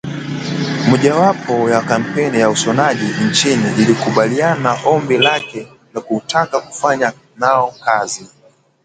Mojawapo wa kampuni ya ushonaji nchini ilimkubalia ombi lake la kutaka kufanya nao kazi